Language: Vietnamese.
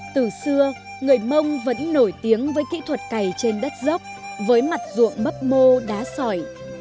từ xưa người mông vẫn nổi tiếng với kỹ thuật cày trên đất dốc với mặt ruộng bấp mô đá sỏi